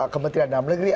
kementerian dalam negeri